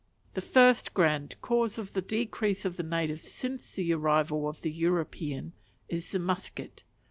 The first grand cause of the decrease of the natives since the arrival of the Europeans is the musket.